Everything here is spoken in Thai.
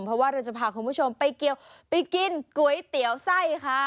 เพราะว่าเราจะพาคุณผู้ชมไปเกี่ยวไปกินก๋วยเตี๋ยวไส้ค่ะ